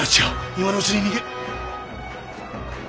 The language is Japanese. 今のうちに逃げ。